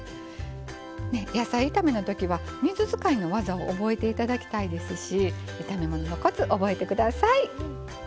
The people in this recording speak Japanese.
野菜炒めのときは水使いの技を覚えて頂きたいですし炒め物のコツ覚えて下さい。